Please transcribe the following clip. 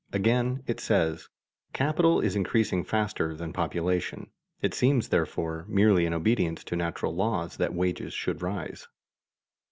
Again it says: "Capital is increasing faster than population.... It seems therefore merely in obedience to natural laws that wages should rise."